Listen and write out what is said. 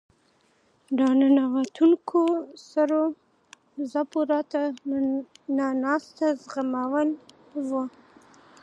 راننوتونکو سړو څپو راته نه ناسته زغموړ وه.